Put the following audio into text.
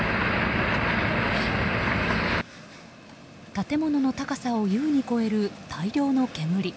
建物の高さを優に超える大量の煙。